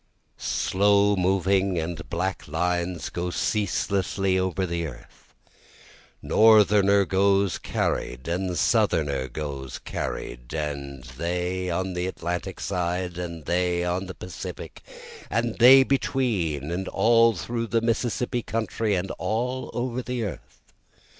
8 Slow moving and black lines go ceaselessly over the earth, Northerner goes carried and Southerner goes carried, and they on the Atlantic side and they on the Pacific, And they between, and all through the Mississippi country, and all over the earth.